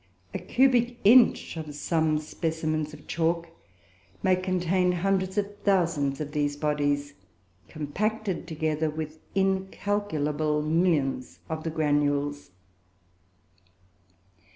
A cubic inch of some specimens of chalk may contain hundreds of thousands of these bodies, compacted together with incalculable millions of the granules.